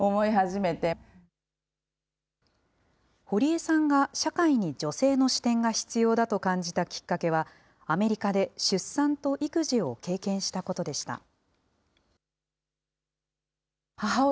堀江さんが社会に女性の視点が必要だと感じたきっかけは、アメリカで出産と育児を経験したことでした。